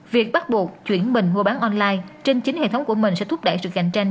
việc bắt buộc chuyển mình mua bán online trên chính hệ thống của mình sẽ thúc đẩy sự cạnh tranh